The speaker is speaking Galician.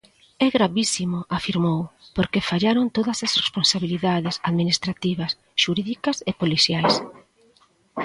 "É gravísimo", afirmou, "porque fallaron todas as responsabilidades administrativas, xurídicas e policiais".